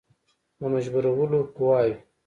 د مجبورولو قواوي.